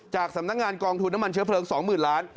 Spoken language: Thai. สำนักงานกองทุนน้ำมันเชื้อเพลิง๒๐๐๐ล้าน